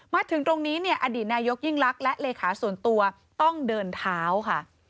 มาถึงตรงนี้เนี่ยอดีตนายกยิ่งลักษณ์และเลขาส่วนตัวต้องเดินเท้าค่ะ